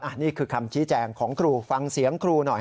อันนี้คือคำชี้แจงของครูฟังเสียงครูหน่อย